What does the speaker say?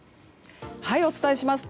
お伝えします。